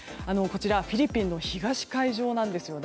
フィリピンの東海上なんです。